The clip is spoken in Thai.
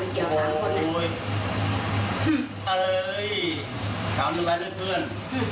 นี่นี่ตบหน้าน้องกูหลายครั้ง